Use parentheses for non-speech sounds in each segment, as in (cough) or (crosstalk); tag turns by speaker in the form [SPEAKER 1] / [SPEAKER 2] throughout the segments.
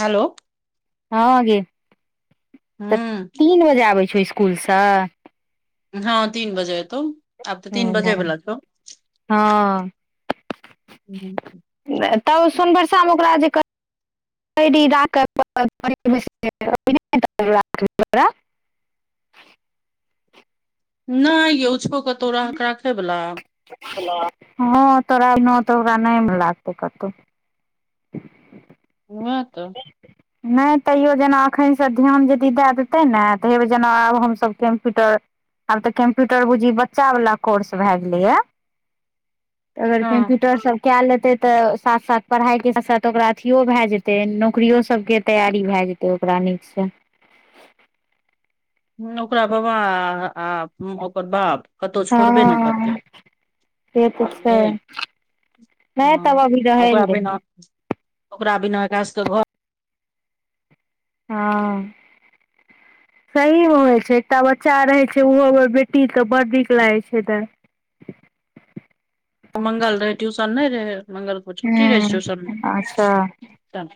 [SPEAKER 1] हालो
[SPEAKER 2] हँ गे तऽ
[SPEAKER 1] हूँ
[SPEAKER 2] तीन बजे आबै छौ इसकुलसँ
[SPEAKER 1] हँ तीन बजे एतौ आब तऽ तीन
[SPEAKER 2] हँ
[SPEAKER 1] बजे बला छौ
[SPEAKER 2] हँ
[SPEAKER 1] हूँ
[SPEAKER 2] तब सोनषरसामे ओकरा जे (inaudible)
[SPEAKER 1] नय यछो कतौ राखै बला
[SPEAKER 2] हँ तोरा तऽ ओकरा नय लागतौ कतहु
[SPEAKER 1] वैह तऽ
[SPEAKER 2] नय तैयो जेना एखनसँ ध्यान यदि दए देतै ने (unintelligible) हमसभ कम्प्यूटर आब तऽ कम्प्यूटर बूझी बच्चा वाला कोर्स भय गेले या
[SPEAKER 1] (inaudible)
[SPEAKER 2] अगर
[SPEAKER 1] हँ
[SPEAKER 2] कम्प्यूटर सब क लेते तऽ साथ साथ पढ़ाई के साथ साथ ओकरा अथियो भय जेते ते नौकियो सब के तैयारी भए जेते ओकरा नीक से
[SPEAKER 1] ओकरा बाबा ओकर बाप कतहु छोड़बे ने
[SPEAKER 2] हँ
[SPEAKER 1] करते
[SPEAKER 2] से तऽ छै
[SPEAKER 1] बुझली
[SPEAKER 2] नहि
[SPEAKER 1] ह
[SPEAKER 2] तब अभी रहै लए
[SPEAKER 1] ओकरा
[SPEAKER 2] दही
[SPEAKER 1] बिना ओकरा बिना एकरा सब क घर
[SPEAKER 2] हँ सहीमे होइ छै एकटा बच्चा रहै छै ओहो बेटीक तऽ बड़ नीक लागै छै द
[SPEAKER 1] ओ मंगल रहे ट्यूशन नय रहे मंगल छुटी रहै छै
[SPEAKER 2] हूँ
[SPEAKER 1] ट्यूशन
[SPEAKER 2] अच्छा
[SPEAKER 1] त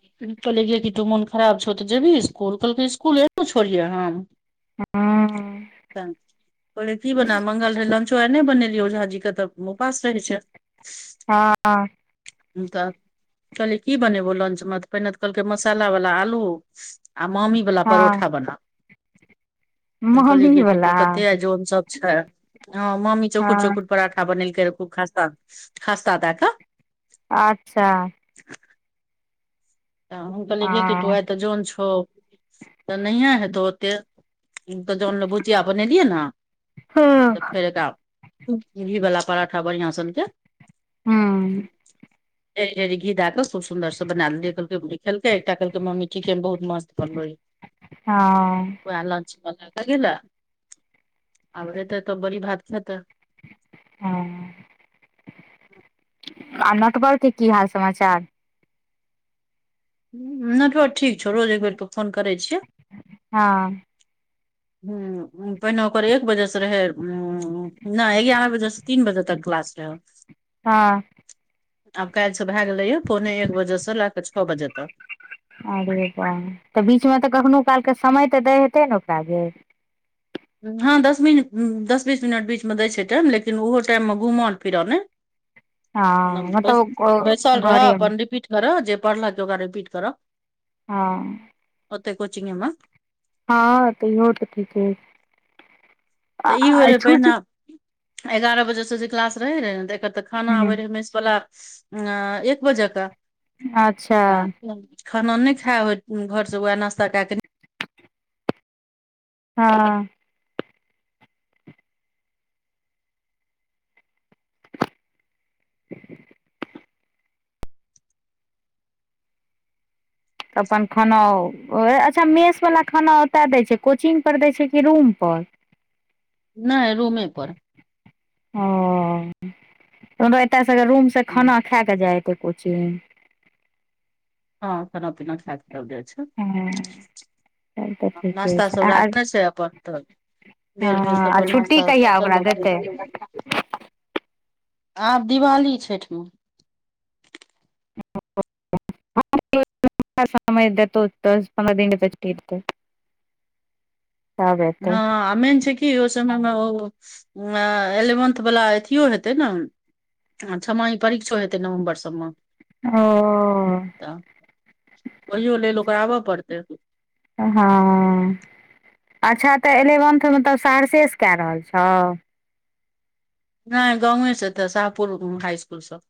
[SPEAKER 1] कहले कि तू मोन खराब छौ तऽ जेबही इसकुल कहलकै इसकुल एहनो छोड़ियह हम
[SPEAKER 2] हूँ
[SPEAKER 1] (inaudible) कहलिए की बना मंगाल से चाय नय बनेलिय ओ झा जी के तऽ उपास रहै छै
[SPEAKER 2] हँ
[SPEAKER 1] ह तऽ कहले की बनेबो लंच में त पहिने तऽ कहलकै मसाला वाला आलू आ मम्मी आलू बला
[SPEAKER 2] हँ
[SPEAKER 1] परोटा बना एत
[SPEAKER 2] मम्मी
[SPEAKER 1] देखियो
[SPEAKER 2] वला
[SPEAKER 1] कतई जोन सब छय मामी चोकुर
[SPEAKER 2] हँ
[SPEAKER 1] चोखुर पराठा बनेलकै खूब खास्ता खास्ता द कऽ
[SPEAKER 2] अच्छा
[SPEAKER 1] तऽ हम कहलियै गे कि
[SPEAKER 2] हँ
[SPEAKER 1] तोरा आइ तऽ जोन छौ तऽ नहिए हेतौ ओतेक तऽ जनल भुजिया बने एलियै न तऽ
[SPEAKER 2] हँ
[SPEAKER 1] फेर ग घी बला पराठा बढ़िआं सनके
[SPEAKER 2] हूँ
[SPEAKER 1] घी द कऽ खुबसुन्दरसँ बना देलिए खेलकै एकटा क कहलके मम्मी ठीके म बहुत मस्त बनलै ये
[SPEAKER 2] हँ
[SPEAKER 1] वह लंच लगा (unintelligible) आब हेते तऽ बड़ी भात खेते
[SPEAKER 2] ह आ नटवल के की हाल समाचार
[SPEAKER 1] नेटवर ठीक छौ रोज एक बेर पर फोन करै छिय
[SPEAKER 2] हँ
[SPEAKER 1] ह पहिने ओकर एक बजेसँ रहै नय एगारह बजेसँ तीन बजे तक क्लास रहै (inaudible)
[SPEAKER 2] हँ
[SPEAKER 1] आब काल्ह से भए गेलै य पौने एक बजे से लए कऽ छ बजे तक
[SPEAKER 2] अरे तऽ बीचमे तऽ कखनो कालके समय तऽ दै हेतै ने ओकरा गैए
[SPEAKER 1] हँ दस मिन दस बीस मिनट बीचमे दै छै टाइम लेकिन ओहो टाइममे घुमल फिरऽ मे
[SPEAKER 2] हँ
[SPEAKER 1] (inaudible) बाय सल
[SPEAKER 2] मतलब
[SPEAKER 1] रह
[SPEAKER 2] घरे मे
[SPEAKER 1] अपन रिपीट करजे पढ़ल त ओकरा रिपिट कर
[SPEAKER 2] हँ
[SPEAKER 1] ओते कोचिंगमे
[SPEAKER 2] हँ त इहो तऽ ठीके आ
[SPEAKER 1] तऽ ई होय
[SPEAKER 2] आ
[SPEAKER 1] रहै
[SPEAKER 2] छोटी
[SPEAKER 1] पहिने एगारह बजे से जे क्लास रहे रहे तऽ एकर तऽ खाना
[SPEAKER 2] ह
[SPEAKER 1] आबे रहै मेश वला एक बजे के
[SPEAKER 2] अच्छा
[SPEAKER 1] त खाना नहि खा घर से वह नास्ता कके
[SPEAKER 2] हँ (inaudible) तऽ अपन खाना अच्छा मेसवला खाना ओतय दै छै कोचिंगपर दै छै कि रूमपर
[SPEAKER 1] नहि रूमे पर
[SPEAKER 2] ओ एतयसँगर रूमसँ खाना खाए कऽ जायरहै कोचिंग
[SPEAKER 1] हँखाना पीनाखाय के तब जाय छै
[SPEAKER 2] हँ तब तऽ ठीके
[SPEAKER 1] नाश्ता
[SPEAKER 2] छै
[SPEAKER 1] सभ
[SPEAKER 2] आ
[SPEAKER 1] राखने छै अपन तब बेर बेर
[SPEAKER 2] हँ आ
[SPEAKER 1] सफर
[SPEAKER 2] छुट्टी
[SPEAKER 1] नश्ता
[SPEAKER 2] कहिया ओकरा देतै
[SPEAKER 1] आब दिवाली छठिमे
[SPEAKER 2] (unintelligible) समय तो तऽ पन्दह दिन डतै
[SPEAKER 1] ह आ मेन छैय की की ओह समय मे ओ एलेवेंथ वाल अथियो हेतैय न छमाही परीक्षो हेतैय नवम्बर सब मे
[SPEAKER 2] ओ ओ
[SPEAKER 1] तऽ ओहियो लेल ओकरा आबऽ पड़तैय
[SPEAKER 2] ह अच्छा तऽ एलेवेन्थ मतलब सहरसे स कए रहल छौ
[SPEAKER 1] नैय गाँवे से एतऽ साहपुर हाय स्कूल स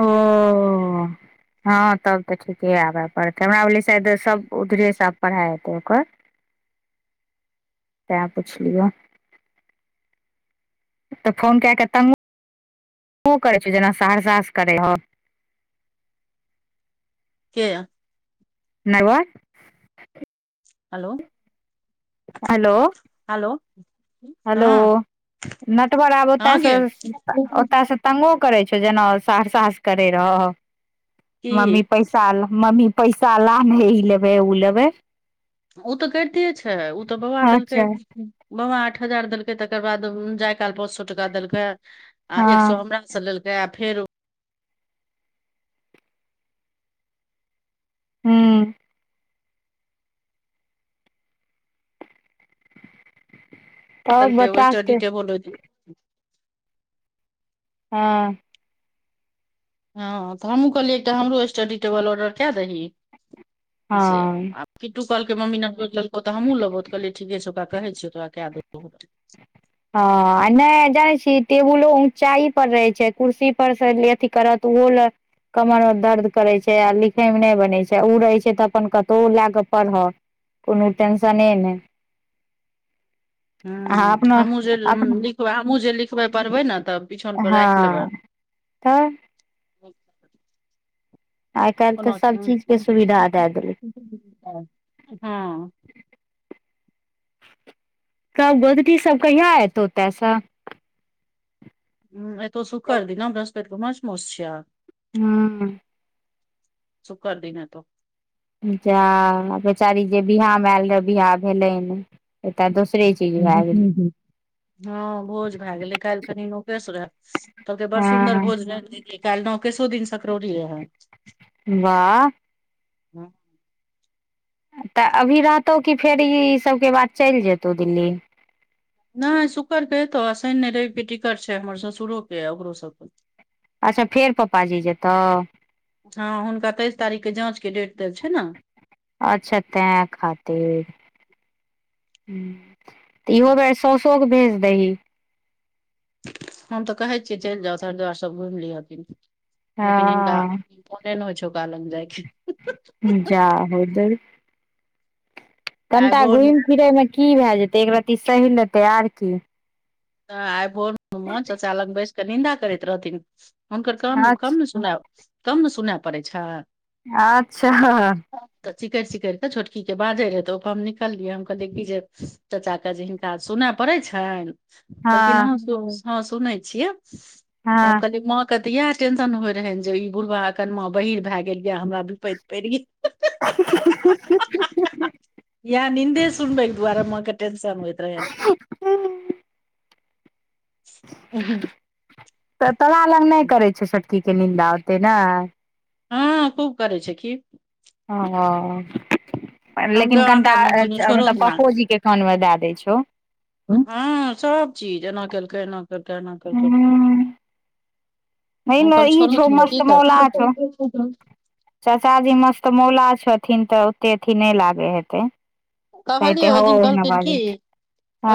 [SPEAKER 2] ओ ओ ह तब तऽ ठीके आबऽ पड़त हमरा भेलै शायैद सब उधरे से आब पढ़ाई हेतैय ओकर
[SPEAKER 1] (inaudible)
[SPEAKER 2] तें पुछलियौ तऽ फोन कए के तंगो तु करै छी ही जेना सहरसा से करेै हौ
[SPEAKER 1] के
[SPEAKER 2] नैयभक
[SPEAKER 1] hello
[SPEAKER 2] hello
[SPEAKER 1] hello
[SPEAKER 2] hello Natwar आबै ओतय
[SPEAKER 1] हँ गे
[SPEAKER 2] से ओतय से तंगो करै छैय जेना ओ सहरसा स करेै रहौ मम्मी
[SPEAKER 1] की
[SPEAKER 2] पैसा मम्मी पैसा ला गै ई लेबै उ लेबै
[SPEAKER 1] उ तऽ करिते छैय उ तऽ बौआ
[SPEAKER 2] अच्छा
[SPEAKER 1] देलकैय बैआ आठ हजार देलकै तकर बाद जाय काल पांच सौ टका देलकैय आ एक
[SPEAKER 2] हँ
[SPEAKER 1] सौ हमरा स लेल तऽ फेर
[SPEAKER 2] हूँ और बच्चा सबके
[SPEAKER 1] (unintelligible)
[SPEAKER 2] ह ऽ
[SPEAKER 1] ह तऽ हमहू कहलियै एकटा हमरो स्टडी टेबल ऑर्डर कए दही (inaudible) से
[SPEAKER 2] हँ
[SPEAKER 1] आब किटू कहलकै मम्मी (unintelligible) तऽ हमहूँ लेब तऽ कहलै ठीके छै ओकरा कहै छियै तौरा कए देतौ
[SPEAKER 2] ह आ नैय जाय छी टेबुलो ऊँचाइपर रहैय छैय कुर्सी पर से अथी करत ओहो लए कमर अ दर्द करैय छैय आ लिखै में नैय बनैय छैय ओ रहै छैय तऽ अपन कतौ लए कऽ पढ़ह कोनो टेंशने नैय
[SPEAKER 1] (unintelligible)
[SPEAKER 2] आहाँ अपना
[SPEAKER 1] हमहूँ जे
[SPEAKER 2] अपना
[SPEAKER 1] लिखबै हमहुँ जे लिखबै पढ़बै न तब
[SPEAKER 2] हंऽ (inaudible) त आइ काल्हि
[SPEAKER 1] कोनो
[SPEAKER 2] तऽ सब चीज के सुविधा दए देलै
[SPEAKER 1] (unintelligible) हं
[SPEAKER 2] (unintelligible) तब गोदकी सब कहिया ओतस
[SPEAKER 1] हु एतो शुकर दिना बृहस्पैत केँ माछ मौस छिय
[SPEAKER 2] हूँ
[SPEAKER 1] शुकर दिन एतौ
[SPEAKER 2] जा बेचारी जे बियाह में ऐल रहेए बियाह भेलै नै ऐत दूसरे अैछ
[SPEAKER 1] (unintelligible) हँ भोज भै गेलै काइल कनि नौ केस रहय। कहलके बड़ सुन्दर
[SPEAKER 2] हँ
[SPEAKER 1] भोज (unintelligible) काइल नओ केसो दिन सकरौरी रहै।
[SPEAKER 2] बाह
[SPEAKER 1] (unintelligible)
[SPEAKER 2] तऽ अभी रहतौ कि फेर ई सब केँ बाद चैल जेतौ दिल्ली
[SPEAKER 1] नै शुकर केँ एतौ शैन नै रैब केँ टीकट छैय हम ससुरो केँ आ ओकरे सब केँ
[SPEAKER 2] अच्छा फेर पप्पाजी जेतो
[SPEAKER 1] ह हुनका तेैइस तारीख केँ जाँच केँ डेट देल छैय न
[SPEAKER 2] अच्छा तै खातिर (inaudible) इहो बेड साउसो कऽ भेज दही।
[SPEAKER 1] हम तऽ कहै छियै चैल जाउ हरिद्वार सभ घुम लिहथिन (inaudible) लेकिन हिनका
[SPEAKER 2] हँ
[SPEAKER 1] मोने नै होइ छौ ओकरा लंग जाइ केँ (unintelligible)
[SPEAKER 2] जा हो दैव।
[SPEAKER 1] आइ
[SPEAKER 2] कनिटा
[SPEAKER 1] भोर मे
[SPEAKER 2] घुम फिरयमे की भए जेतै एक रत्ती सैह लेतै आर की।
[SPEAKER 1] नै आइ भोरमे चचा लग बैस कऽ निन्दा करैत रहथिन। हुनकर कानमे
[SPEAKER 2] अच्छा
[SPEAKER 1] कम न सुना (inaudible) कम न सुनाइ पड़ै छैय
[SPEAKER 2] अच्छा ह
[SPEAKER 1] तऽ चिकैर चिकैर छोटकी के बाजै रहै तऽ ओइ प हम निकल लियै हम कहले की जे चचा केँ जे हिनका सुनै पड़य छैन कहलखिन हँ (unintelligible) सुनै छियै तऽ हम
[SPEAKER 2] हँ
[SPEAKER 1] कहलियै माँ केँ तऽ इहै टेंशन होय रहेै जे ई बुढ़बा अकनमा बहीर भए गेल यै हमरा बिपैत पड़ि गेल (unintelligible) निन्दे सुनबे दुआरे माँ केँ टेंशन होइत रहन।
[SPEAKER 2] (unintelligible)
[SPEAKER 1] (unintelligible)
[SPEAKER 2] तऽ तोरा लग नै करै छै छोटकी केँ निन्दा ओते नै
[SPEAKER 1] हँ खूब करै छै की।
[SPEAKER 2] (unintelligible)
[SPEAKER 1] हम
[SPEAKER 2] लेकिन
[SPEAKER 1] तऽ
[SPEAKER 2] कनिटा
[SPEAKER 1] आधा कोनो
[SPEAKER 2] अ
[SPEAKER 1] छोड़ो
[SPEAKER 2] मतलब
[SPEAKER 1] दिना
[SPEAKER 2] पप्पोजी केँ कान मे दए दै छौ।
[SPEAKER 1] हँ सभ चीज एना केलकै, एना कलकै, एना केलकै।
[SPEAKER 2] हूँ नहि ने
[SPEAKER 1] उनकर
[SPEAKER 2] ई छौ
[SPEAKER 1] छोड़ौत नऽ की
[SPEAKER 2] मस्त
[SPEAKER 1] करथिन
[SPEAKER 2] चचाजी मस्त मौला छथिन तऽ ओते अथी नय लागै हेतै कहते
[SPEAKER 1] कहलियै
[SPEAKER 2] हौ
[SPEAKER 1] ओहि दिन
[SPEAKER 2] ओहिना
[SPEAKER 1] कहलखिन कि
[SPEAKER 2] बाजै छै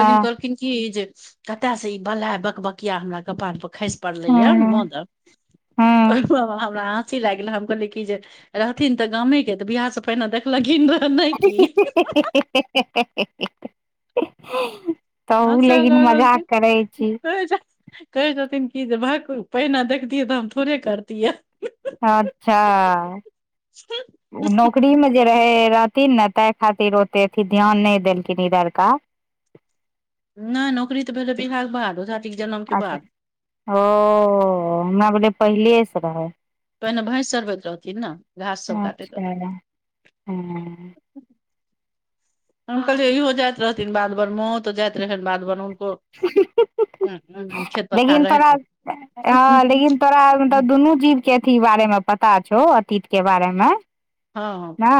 [SPEAKER 1] ओइ दिन कहलखिन की जे कतै से ई बलाय बकबकिया हमर कपाड़ पर खसि पड़ले यै माँ
[SPEAKER 2] हँ
[SPEAKER 1] द
[SPEAKER 2] हँ
[SPEAKER 1] तऽ ओय म हमरा आ हँसी लागि गेलय हम कहलियै कि जे रहथिन तऽ गामे केँ तऽ बियाह से पहिने देखलखिन रहे नै की
[SPEAKER 2] हे हे हे हे हे हे हे (unintelligible)
[SPEAKER 1] हँसय लगलखिन कहैय छै कहै छथिन कि जे भक्क पहिने देखतियै तऽ हम थोड़े करतियै
[SPEAKER 2] अच्छा ओ नौकरीमे जे रहै रहथिन नऽ तैय खातिर ओते अथी ध्यान नय देलखिन इधरका।
[SPEAKER 1] नै नौकरी तऽ भेलै बिहाक बाद ओझा जी के जनम के बाद
[SPEAKER 2] अच्छऽ ओ हमरा भेलै पहिले सँ रहै।
[SPEAKER 1] पहिने भैंस चरबैत रहथिन नऽ
[SPEAKER 2] अच्छऽ हँ
[SPEAKER 1] हम कहलियै इहो जाइत रहथिन बाध बोन माँओ तऽ जाइत रहथिन बाध बोन हुनको हुँ
[SPEAKER 2] लेकिन तोरा हँ लेकिन तोरा मतलब दुनू जीव केँ अथी बारे मऽ पता छौ अतीत केँ बारे मे।
[SPEAKER 1] हँ
[SPEAKER 2] ने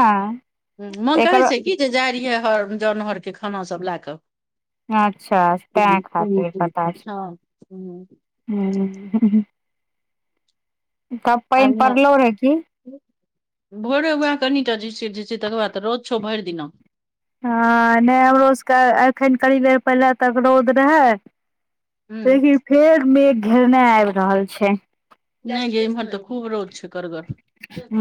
[SPEAKER 1] माँ
[SPEAKER 2] एकर
[SPEAKER 1] कहै छै की जे जाइ रहियै हर जन हर केँ खाना सब लए कऽ
[SPEAKER 2] अच्छऽ तैय खातिर सँ पता छै
[SPEAKER 1] हँ
[SPEAKER 2] हुँ हुँ हुँ तब
[SPEAKER 1] आ
[SPEAKER 2] पाइन पड़लो रहै की
[SPEAKER 1] भोरे वैह कनिटा झीसी - झीसी तकर बाद तऽ रौद छो भइर दिना।
[SPEAKER 2] हँ नै हमरो सबके एखन कनि देर पहिले तक रौद रहै
[SPEAKER 1] हूँ
[SPEAKER 2] लेकिन फेर मेघ घेरने आबि रहल छै।
[SPEAKER 1] नय गे इम्हर तऽ खूब रौद छै करगर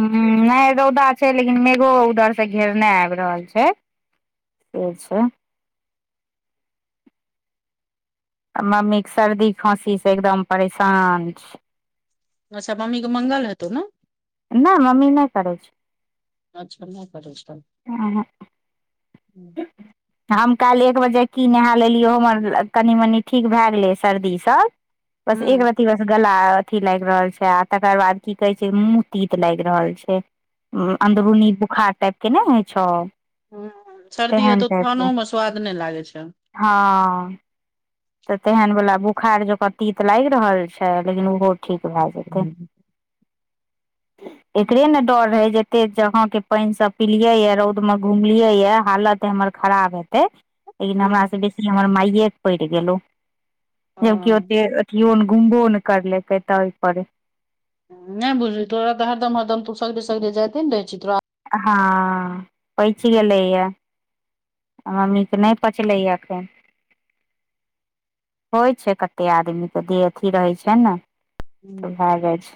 [SPEAKER 2] हुँ नय रौदा छै लेकिन मेघो उधरसँ घेरने आबि रहल छै से छै आ मम्मीक सर्दी खासी सँ एकदम परेशान छै
[SPEAKER 1] अच्छा मम्मी कऽ मंगल हेतौ नऽ
[SPEAKER 2] नय मम्मी नय करै छै
[SPEAKER 1] अच्छा नहि करै छौ
[SPEAKER 2] उहुँ
[SPEAKER 1] (inaudible)
[SPEAKER 2] (inaudible) हम काइल एक बजे की नहा लेलियै हमर कनि मनि ठीक भए गेलै सर्दीसभ बस एक
[SPEAKER 1] हूँ
[SPEAKER 2] रति बस गला थि लाइग रहल छै आ तकर बाद की कहे छै मुँह तीत लाइग रहल छै अन्दरूनी बोखार टाइप केँ नय होइ छौ
[SPEAKER 1] सर्दी
[SPEAKER 2] तेहन
[SPEAKER 1] हेतौ
[SPEAKER 2] टाइप
[SPEAKER 1] खनो
[SPEAKER 2] के
[SPEAKER 1] मऽ स्वाद नय लागै छै
[SPEAKER 2] हँ तऽ तेहन वला बुखार जो का तीत लाइग रहल छै लेकिन ओहो ठीक भए जेतै
[SPEAKER 1] (inaudible)
[SPEAKER 2] एकरे ने डर रहे जते जगहं के पानि सब पीिलिये ये रौद में घुमलिये ये हालत हमर खराब हेतै इ नऽ
[SPEAKER 1] ह
[SPEAKER 2] हमरासे बेसी हमर माइए पड़ि गेलहु जबकि ओते अथियो ने घुमबो ने करलकै तै पर
[SPEAKER 1] नै बुझली तोराऽ हरदम हरदम तू सगरे सगरे जाइत ने रहै छी तोरा
[SPEAKER 2] हाँ पैच गेलैए या मम्मीके नै पचलैय एखन होइ छै कते आदमीके देह अथी रहै छै ने तऽ
[SPEAKER 1] हम्म।
[SPEAKER 2] भए जाइ छै।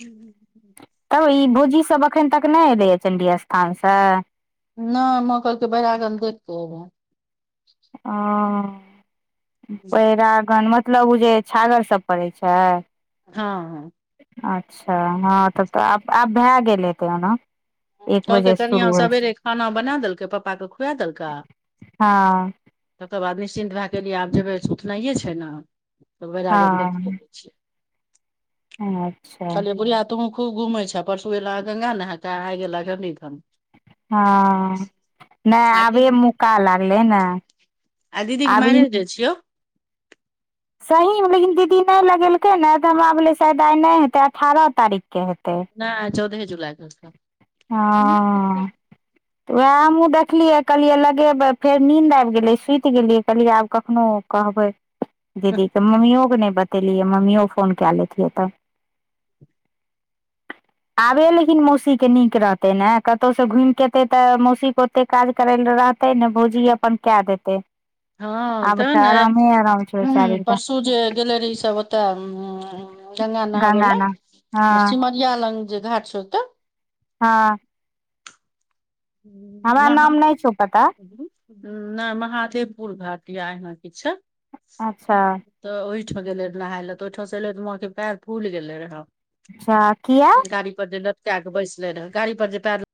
[SPEAKER 1] हुँ
[SPEAKER 2] तब ई भोजी सब अखन तक नै एलै या चंडी स्थान स
[SPEAKER 1] नै माँ कहलके बैरागन देखक एबौ
[SPEAKER 2] ओ बैरागन मतलब उ जे छागर सब पड़ै छै।
[SPEAKER 1] हाँ हाँ।
[SPEAKER 2] अच्छा हाँ तब तऽ आब आब भए गेलै तै ओना एक
[SPEAKER 1] कहलके
[SPEAKER 2] बजे से
[SPEAKER 1] कनिया
[SPEAKER 2] शुरू होइ छै
[SPEAKER 1] सबेरे खाना बना देलकै पप्पा केँ खुआ देलकेँ
[SPEAKER 2] हाँ।
[SPEAKER 1] तकर बाद निश्चिन्त भए गेलियै आब जेबै सुतनाइए छै न त बैरागन देखयै
[SPEAKER 2] हँ
[SPEAKER 1] ले छियै
[SPEAKER 2] अच्छा
[SPEAKER 1] कहलियै बुढ़िया तुहूँ खूब घूमै छै परसू अयला गङ्गा नहाके आइ गेलाहँ चंडीथान
[SPEAKER 2] हाँ नै आबै मौका लागलै न
[SPEAKER 1] आइ दीदीेके मारैज डे छियौ
[SPEAKER 2] सहीमे लेकिन दीदी नै लगेलकै ने तऽ हमरा भेलोै शायद आइ नै हेतै अठारह तारीखके हेतै
[SPEAKER 1] नै आइ चौदहे जुलाइ के छै
[SPEAKER 2] हँ तऽ वएह हमहूँ देखलियै कहलियै लगेबै फेर नींद आब गेलै सुति कते गेल रहियै कहलियै आब कखनो कहबै दीदी के मम्मियो के नै बत- तेलिए मम्मियो फोन क लेति तऽ
[SPEAKER 1] (inaudible)
[SPEAKER 2] आबे लेकिन मौसीक के नीक रहतै ने कतहुँ से घुमिकऽ एतै तऽ मौसी उ- एते काज करै ल रहतै ने भोजी अपन कए देतै
[SPEAKER 1] हाँ
[SPEAKER 2] आब
[SPEAKER 1] तहन
[SPEAKER 2] तऽ
[SPEAKER 1] ऐ
[SPEAKER 2] आरामे आराम छै
[SPEAKER 1] हुँ
[SPEAKER 2] बेचारीके
[SPEAKER 1] परसू जे गेले रही ई सब ओतए गङंगा नहाबै लाए
[SPEAKER 2] हाँ।
[SPEAKER 1] यऽ लङंग जे घाट छो उतए
[SPEAKER 2] हाँ हमरा
[SPEAKER 1] महा
[SPEAKER 2] नाम नहि छो प
[SPEAKER 1] नहि महादेवपुर घाट या ऐहना किछ छैय
[SPEAKER 2] अच्छा
[SPEAKER 1] तऽ ओहिठाम गेल रह नहाय लए तऽ ओहिठामं एलैऽ माँ पैर फूलि गेले
[SPEAKER 2] अच्छा किया
[SPEAKER 1] रहे गाड़ी पर जे लतका के बैसले रह गाड़ पर जे पेर